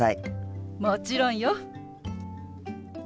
もちろんよ。